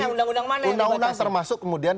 undang undang termasuk kemudian